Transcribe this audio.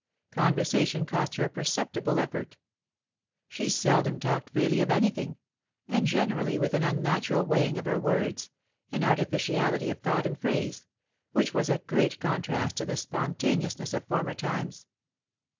Conversation cost her a perceptible effort; she seldom talked freely of anything, and generally with an unnatural weighing of her words, an artificiality of thought and phrase, which was a great contrast to the spontaneousness of former times.